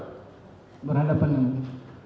saudara arahkan kemana